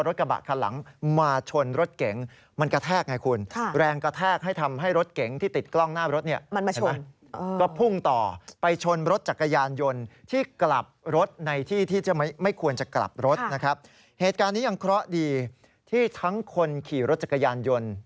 ทั้งคนขี่รถจักรยานยนต์